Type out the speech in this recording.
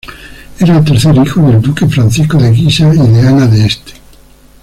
Era el tercer hijo del duque Francisco de Guisa y de Ana de Este.